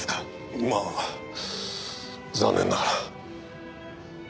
まあ残念ながら。